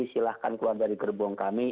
silahkan keluar dari gerbong kami